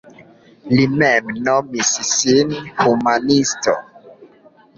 Li mem nomis sin humanisto.